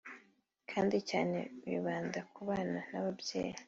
kandi cyane bibanda kubana n’ababyeyi